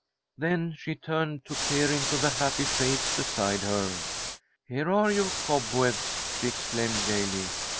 Then she turned to peer into the happy face beside her. "Here are your cobwebs!" she exclaimed, gaily.